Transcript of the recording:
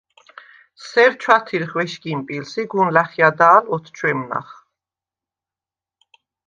სერ ჩვათირხ ვეშგიმპილს ი გუნ ლა̈ხიადა̄ლ ოთჩვემნახ.